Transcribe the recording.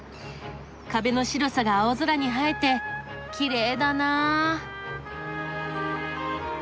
壁の白さが青空に映えてきれいだな。